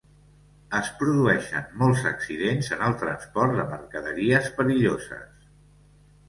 Es produeixen molts accidents en el transport de mercaderies perilloses.